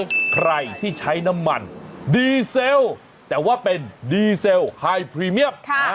ใครที่ใช้น้ำมันดีเซลแต่ว่าเป็นดีเซลไฮพรีเมียม